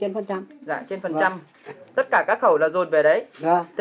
nam mô a di đạo phật